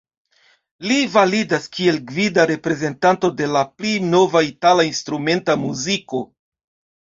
Li validas kiel gvida reprezentanto de la pli nova itala instrumenta muziko.